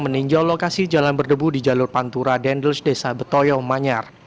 meninjau lokasi jalan berdebu di jalur pantura dendels desa betoyo manyar